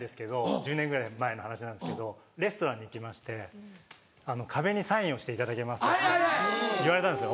１０年ぐらい前の話なんですけどレストランに行きまして「壁にサインをしていただけますか」って言われたんですよ